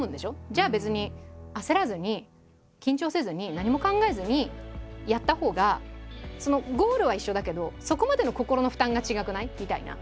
じゃあ別に焦らずに緊張せずに何も考えずにやったほうがゴールは一緒だけどそこまでの心の負担が違くない？みたいな。